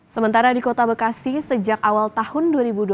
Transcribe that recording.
sementara di kota bekasi sejak awal tahun dua ribu dua puluh